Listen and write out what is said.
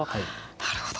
なるほど。